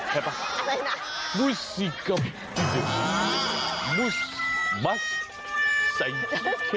เห็นป่ะมุษิกฟีนเดมุสมัสสัยแค่ฟีนเด